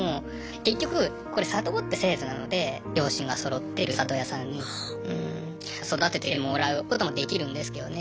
結局これ里子って制度なので両親がそろってる里親さんに育ててもらうこともできるんですけどね。